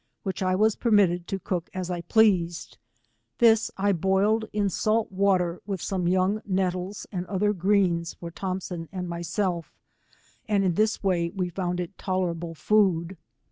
which I was permit ted to cook as I pleased, this I boiled in salt water with some young nettles and other greens for Thompson and myself, and in this way we found it tolerable food.